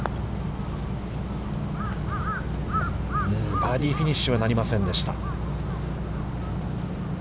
バーディーフィニッシュはなりませんでした。